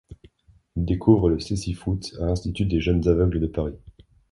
Il découvre le cécifoot à l’Institut des jeunes aveugles de Paris.